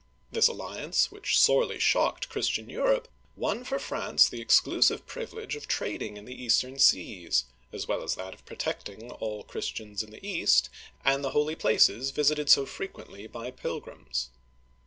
This alliance, which sorely shocked Christian Europe, won for France the ex clusive privilege of trading in the eastern seas, as well as that of protecting all Christians in the East and the holy places visited so frequently by pilgrims.